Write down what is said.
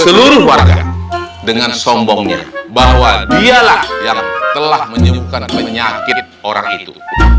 seluruh warga dengan sombongnya bahwa dialah yang telah menyembuhkan penyakit orang itu